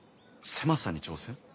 狭さに挑戦？